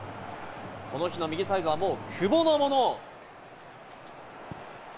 この日の右サイドは、もう久保のもの。